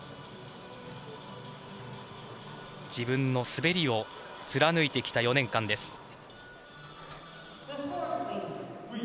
自分の滑りを貫いてきた４年間です。